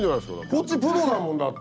こっちプロだもんだって！